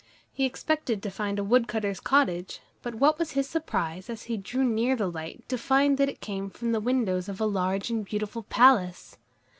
He expected to find a woodcutter's cottage, but what was his surprise, as he drew near to the light, to find that it came from the windows of a large and beautiful palace!